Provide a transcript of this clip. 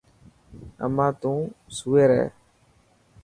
اما تو سوئي رهي.